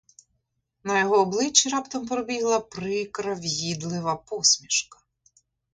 На його обличчі раптом пробігла прикра в'їдлива посмішка.